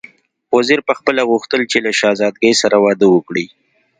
وزیر پخپله غوښتل چې له شهزادګۍ سره واده وکړي.